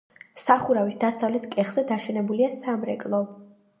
სახურავის დასავლეთ კეხზე დაშენებულია სამრეკლო.